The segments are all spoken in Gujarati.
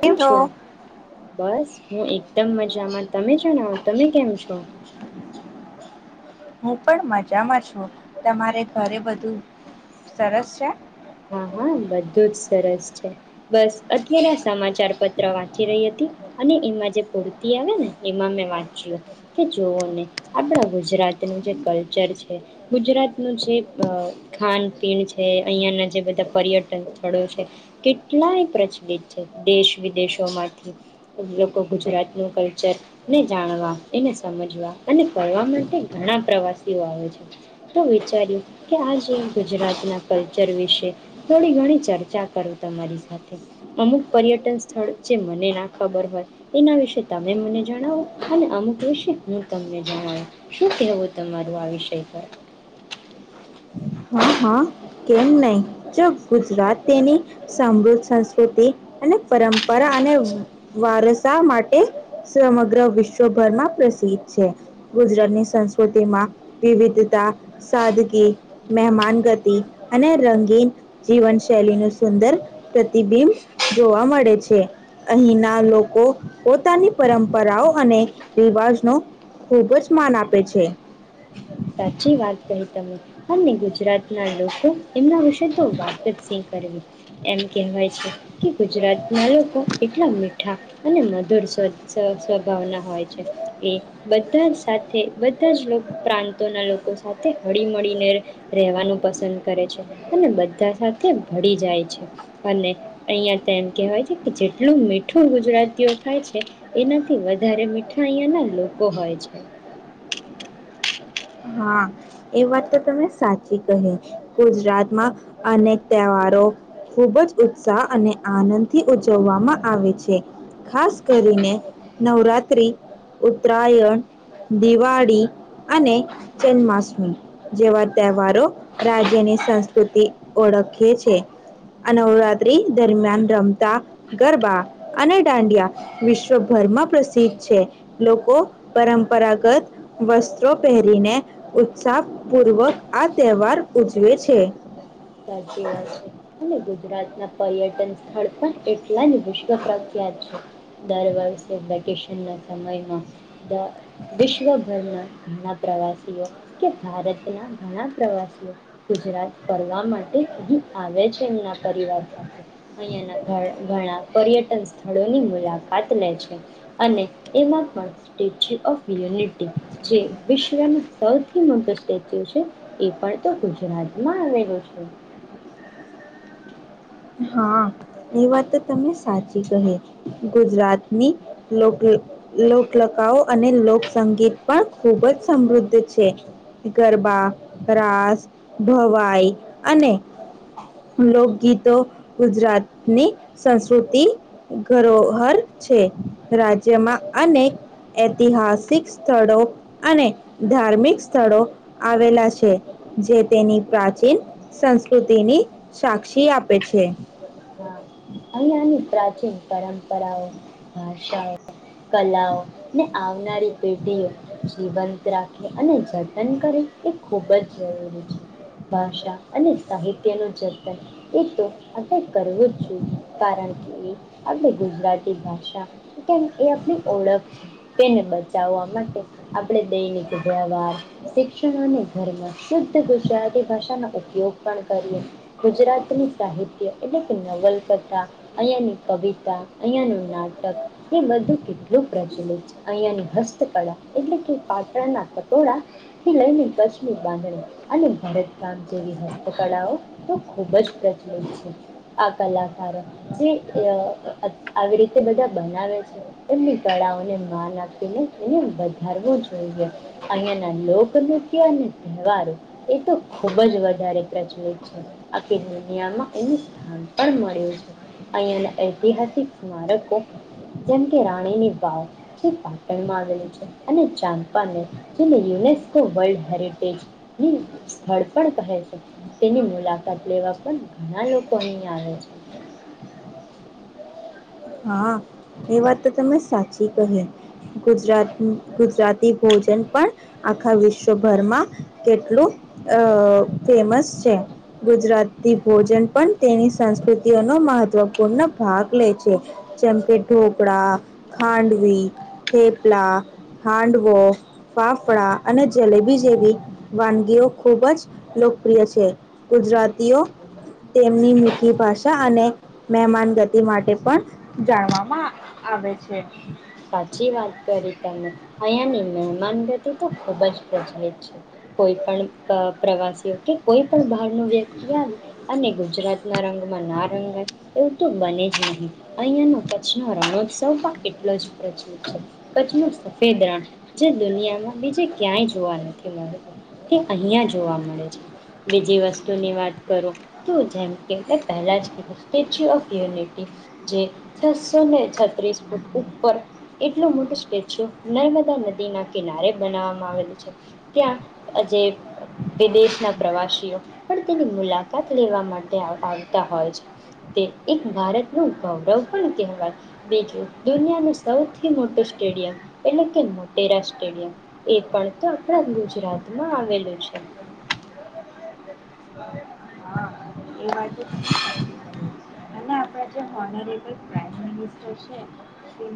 કેમ છો? બસ હું એકદમ મજામાં તમે જણાવો. તમે કેમ છો? હું પણ મજામાં છું. તમારે ઘરે બધું સરસ છે? હા હા બધું જ સરસ છે બસ અત્યારે આ સમાચાર પત્ર વાંચી રહી હતી અને એમાં જે પૂરતિ આવે ને એમાં મેં વાંચ્યું કે જોઓ ને આપણા ગુજરાતનું જે કલ્ચર છે, ગુજરાતનું જે બ ખાન પીણ છે, અહીંયાના જે બધા પર્યટન સ્થળો છે, કેટલાય પ્રચલિત છે. દેશ વિદેશોમાંથી લોકો ગુજરાતનું કલ્ચરને જાણવા એને સમજવા અને કરવા માટે ઘણા પ્રવાસીઓ આવે છે, તો વિચાર્યું કે આ જે ગુજરાતના કલ્ચર વિશે તે થોડી ઘણી ચર્ચા કરું તમારી સાથે અમુક પર્યટન સ્થળ જે મને ના ખબર હોય એના વિશે તમે મને જણાવો અને અમુક વિશે હું તમને જણાવું. શું કહેવું તમારું આ વિષય પર? હા, હા, કેમ નહી, જો ગુજરાત તેની સમૃદ્ધ સંસ્કૃતિ અને પરંપરા અને વારસા માટે સમગ્ર વિશ્વભરમાં પ્રસિદ્ધ છે. ગુજરાતની સંસ્કૃતિમાં વિવિધતા, સાદગી, મહેમાન ગતિ, અને રંગીન જીવનશૈલી ન સુંદર પ્રતિબિંબ જોવા મળે છે. અહીંના લોકો પોતાની પરંપરાઓ અને રિવાજ ન ખૂબ જ માન આપે છે. સાચી વાત કહી તમે અને ગુજરાતના એ લોકો એમના વિશે તો વાતચ સી કરવી એમ કહેવાય છે કે ગુજરાત ના લોકો એટલા મીઠા અને મધુર સ્વ સ્વભાવના હોય છે. એ બધા સાથે બધા જ પ્રાંત તો ના લોકો સાથે હળી મળીને રહેવાનું પસંદ કરે છે. અને બધા સાથે ભળી જાય છે અને અહિયાં તેમ કહેવાય છે કે જેટલું મીઠું ગુજરાતીઓ થાય છે એનાથી વધારે મીઠા અહીં ના લોકો હોય છે. હા એ વાત તો તમે સાચી કહે ગુજરાતમાં અનેક તહેવારો ખુબ જ ઉત્સાહ અને આનંદ થી ઉજવવામાં આવે છે, ખાસ કરીને નવરાત્રી, ઉત્તરાયણ, દિવાળી અને જન્માષ્ મી જેવા તહેવારો રાજ્યની સંસ્કૃતિ ઓળખે છે આ નવરાત્રી દરમિયાન રમતા ગરબા અને દાંડિયા વિશ્વભરમાં પ્રસિદ્ધ છે. લોકો પરંપરાગત વસ્ત્રો પહેરીને ઉત્ સાહ પૂર્વક આ તહેવાર ઉજવે છે. સાચી વાત છે. અને ગુજરાતના પર્યટન સ્થળ પણ એટલા જ વિશ્વ પ્રખ્યાત છે દર વર્ષે વેકેશન ના સમયમાં વિશ્વભરના ઘણા પ્રવાસીઓ કે ભારતના ઘણા પ્રવાસીઓ ગુજરાત ફર્ વા માટે અહીં આવે છે એમના પરિવાર સાથે અહિયાંના ઘ ઘણા પર્યટન સ્થળોની મુલાકાત લે છે. અને એમાં પણ સ્ટેચ્યુ ઓફ યુનિટી જે વિશ્વનો સૌથી મોટો સ્ટેચ્યુ છે એ પણ તો ગુજરાતમાં આવેલો. છે. હા એ વાત તો તમે સાચી કહી. ગુજરાતની લોકલ લોકલકાઓ અને લોકસંગીત પણ ખૂબ જ સમૃદ્ધ છે. ગરબા, રાસ, ભવાઈ અને લોકગીતો ગુજરાતની સંસ્કૃતિ ધરોહર છે. રાજ્યમાં અનેક ઐતિહાસિક સ્થળો અને ધાર્મિક સ્થળો આવેલા છે જે તેની પ્રાચીન સંસ્કૃતિની સાક્ષી આપે છે. હા અહીંયાની પ્રાચીન પરંપરાઓ, ભાષાઓ કલાઓ ને આવનારી પેઢીઓ જીવન રાખે અને જતન કરે એ ખૂબ જ જરૂરી છે. ભાષા અને સાહિત્ય નું જતન એ તો આપણે કરવું જ જોઈએ. કારણ કે એ આપણે ગુજરાતી ભાષા કેમ એ આપણી ઓળખ તેને બચાવવા માટે આપણે દૈનિક વ્યવહાર શિક્ષણ અને ધર્મ શુદ્ધ ગુજરાતી ભાષાનો ઉપયોગ પણ કરીએ. ગુજરાતની સાહિત્ય એટલે કે નવલકથા અહીંયાની કવિતા, અહીંયા નું નાટક, એ બધું કેટલું પ્રચલિત છે અહિયાયાની હસ્તકળા, એટલે કે પાટણના પટોળા થી લઈને કચ્છમી બાંધણી અને ભરતકામ જેવી હસ્તકળાઓ તો ખૂબ જ પ્રચલિત છે. આ કલાકારો જે આવી રીતે બધા બનાવે છે, એમની કળાઓને માન આપીને એને વધારવું જોઈએ, અહિયાંના લોક નૃત્ય અને તહેવારો, એ તો ખૂબ જ વધારે પ્રચલિત છે, આખી દુનિયામાં એનું સ્થાન પણ મળ્યું છે. અહીંયાના ઐતિહાસિક સ્મારકો, જેમ કે રાણીની વાવ જે પાટણમાં આવેલી છે, અને ચાંપાને જેને યુનેસ્કો વર્લ્ડ હેરિટેજની સ્થળ પણ કહે છે, તેની મુલાકાત લેવા પણ ઘણા લોકો અહીં આવે છે. હા, એ વાત તો તમે સાચી કહી, ગુજરાત ગુજરાતી ભોજન પણ આખા વિશ્વભરમાં કેટલું અ ફેમસ છે, ગુજરાતી ભોજન પણ તેની સંસ્કૃતિઓનો મહત્વપૂર્ણ ભાગ લે છે. જેમકે ઢોકળા, ખાંડવી, થેપલા, હાંડવો, ફાફડા અને જલેબી જેવી વાનગીઓ ખૂબ જ લોકપ્રિય છે, ગુજરાતીઓ તેમની મીઠી ભાષા અને મહેમાન ગતિ માટે પણ જાણવામાં આવે છે. સાચી વાત કરી તમે, અહિયાયાની મહેમાન ગતિ તો ખૂબ જ પ્રચલિત છે, કોઈ પણ પ્રવાસીઓ કે કોઈ પણ બહાર નુ વ્યક્તિ આવી, અને ગુજરાતના રંગમાં ના રંગાય એવું તો બને જ નહીં, અહિયાયાનો કચ્છ ન રણોત્સવ પણ એટલો જ ચ્છ નુ સફેદ રણ જે દુનિયામાં બીજે ક્યાંય જોવા નથી મળે, તે અહં જોવા મળે છે, બીજી વસ્તુની વાત કરો તો જેમ કે મે પહેલા જ ક સ્ટેચ્યુ ઓફ યુનિટી, જે છસો ને છત્રીસ ફૂટ એટલ મોટું સ્ટેચ્યુ નર્મદા નદી ના કિનારે બનાવવામાં આવેલું છે, ત્યાં આજે વિદેશના પ્રવાસીઓ પણ તેની મુલાકાત લેવા માટે આવતા હોય છે, તે એક ભારતનું ગૌરવ પણ કહેવાય, બીજું દુનિયાનું સૌથી મોટું સ્ટેડિયમ, એટલે કે મોટેરા સ્ટેડિયમ એ પણ તો આપણા ગુજરાતમાં આવેલું છે. હા [unintelligible] એ વાત તો તમે સાચ્ચી ઓનોરેબલ પ્રાય મિનસ્ટર છે,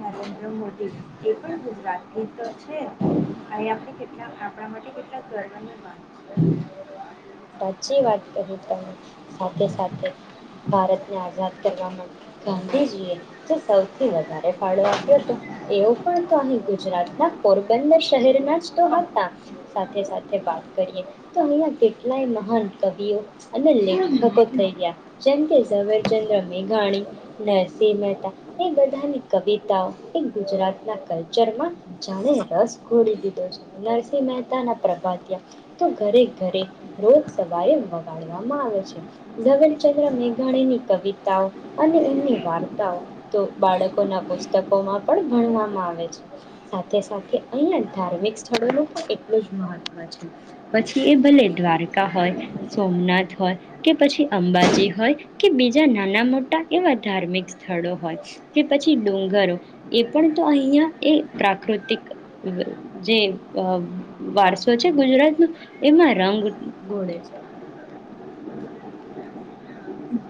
નરેન્દ્ર મોદી એ પણ ગુજરાત ના તો છે, અહીંયા પણ આપણા માટે કેટલા ગર્વની વાત છે. સાચી વાત કરી તમે, સાથે-સાથે ભારતને આઝાદ કરવા માટે ગાંધીજી એ, જે સૌથી વધારે ફાળો આપ્યો હતો એવો પણ તો અહી ગુજરાતના પોરબંદર શહેરના જ તો હતા, સાથે-સાથે વાત કરીએ તો, અહીંયા કેટ ટલાય મહાન કવિઓ અનેં લેખકો થઈ રહ્યા, જમ ધવરચંદ્ર મેઘાણી, નરસિંહ મહેતા, એ બધાની કવિતાઓ એ ગુજરાતના કલ્ચરમાં જાણે રસ ઘોડી દીધો છે, નરસિંહ મહેતા ના પ્રભાત તો ઘરે ઘરે રોજ સવારે વગાડવામાં આવે છે, ધવેલચંદ્ર મેઘાણીની કવિતાઓ અને એમની વાર્તાઓ તો બાળકોના પુસ્તકોમાં પણ ભણવામાં આવે છે, સાથે સાથે અહીયાંયા ધાર્મિક સ્થળોનું પણ એટલું જ મહત્વ છે, પછી એ ભલે દ્વાર હોય, સોમનાથ હોય કે પછી અંબાજી હોય, કે બીજા નાના મોટા એવા ધાર્મિક સ્થળો હોય કે પછી ડુંગરો, એ પણ તો અહિયાં એ પ્રાકૃતિક જે વારસો છે ગુજરાતનો એમાં રંગ ગોડે છે.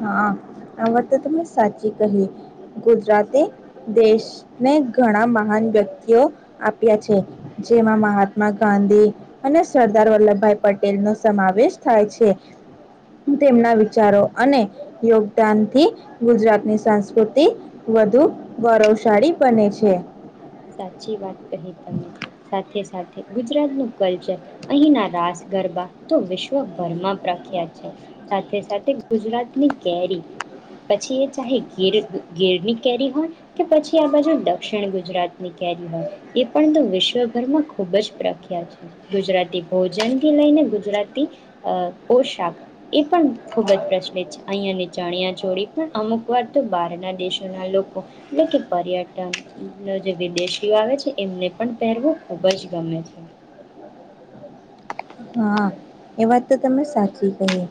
હા, આ વાતે તમે સાચી કહી. ગુજરાતે દેશને ઘણા મહાન વ્યક્તિઓ આપ્યા છે. જેમાં મહાત્મા ગાંધી અને સરદાર વલ્લભભાઈ પટેલ નો સમાવેશ થાય છે. તેમના વિચારો અને યોગદાન થી ગુજરાતની સંસ્કૃતિ વધુ ગૌરવશાળી બને છે. સાચી વાત કહી તમે સા સાથે સાથે ગુજરાતનું કલ્ચર અહીંના રાસ ગરબા તો વિશ્વભરમાં પ્રખ્યાત છે. સાથે સાથે ગુજરાતની કેરી પછી એ ચાહે ગીર ગીરની કેરી હોય કે પછી આ બાજુ દક્ષિણ ગુજરાત હોય એ પણ તો વિશ્વભરમાં ખુબ જ પ્રખ્યાત છે. ગુજરાતી ભોજન થી લઈને ગુજરાતી અ પોશાક એ પણ ખૂબ જ પ્રચલિત છે. અહિયાંની ચણિયા જોડી પણ અમુક વાર તો બહારના દેશોના લોકો એટલે કે પર્યટન ઉ જે વિદેશીઓ આવે છે એમને પણ પહેરવું ખુબ જ ગમે છે. હા, એ વાત તો તમે સાચી કહી.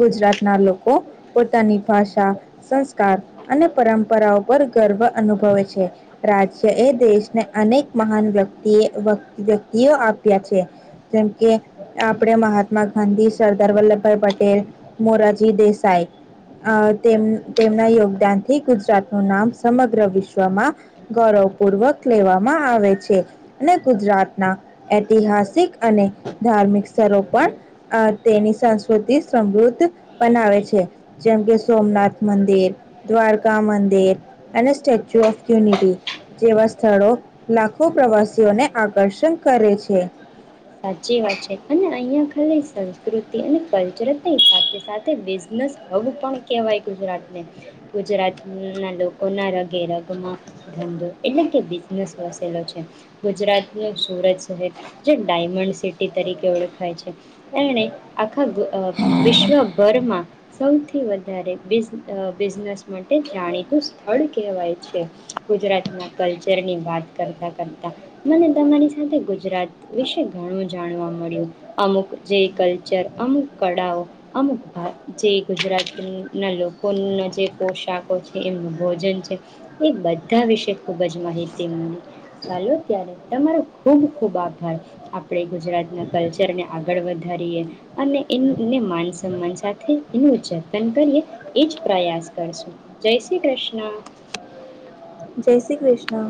ગુજરાતના લોકો પોતાની ભાષા, સંસ્કાર અને પરંપરાઓ પર ગર્વ અનુભવે છે. રાજ્ય એ દેશને અનેક મહાન વ્યક્તિએ વ્યક્તિઓ આપ્યા છે. જેમ કે આપણે મહાત્મા ગાંધી, સરદાર વલ્લભભાઈ પટેલ, મોરારજી દેસાઈ તેમ તેમના યોગદાન થી ગુજરાતનું નામ સમગ્ર વિશ્વમાં ગૌરવ પૂર્વક લેવામાં આવે છે અને ગુજરાતના ઐતિહાસિક અને ધાર્મિક સ્થળો પણ અ તેની સંસ્કૃતિ સમૃદ્ધ બનાવે છે. જેમ કે સોમનાથ મંદિર, દ્વારકા મંદિર અને સ્ટેચ્યુ ઓફ યુનિટી જેવા સ્થળો લાખો પ્રવાસીઓને આકર્ષણ કરે છે. સાચી વાત છે અને અહીંયા ખાલી સંસ્કૃતિ અને કલ્ચરની સાથે સાથે બિઝનેસ હબ પણ કહેવાય ગુજરાતને. ગુજરાતના લોકોના રગે રગમાં ધંધો એટલે કે બિઝનેસ વસેલો છે. ગુજરાતનો સુરત શહેર જે ડાયમંડ સિટી તરીકે ઓળખાય છે. એણે આખા અ વિશ્વભરમાં સૌથી વધારે બ બિઝનેસ માટે જાણીતું સ્થળ કહેવાય છે. ગુજરાતના કલ્ચરની વાત કરતા કરતાં મને તમારી સાથે ગુજરાત વિશે ઘણું જાણવા મળ્યું. અમુક જે કલ્ચર અમુક કળાઓ અમુક જે ગુજરાતનીના લોકોના જે પોશાકો છે, એમનું ભોજન છે એ બધા વિશે ખૂબ જ માહિતી મળી ચાલો ત્યારે તમારો ખૂબ ખૂબ આભાર. આપણે ગુજરાતના કલ્ચરને આગળ વધારીએ અને એને માન સન્માન સાથે એનું જતન કરીએ. એ જ પ્રયાસ કરશું જય શ્રી કૃષ્ણ. જય શ્રી કૃષ્ણ.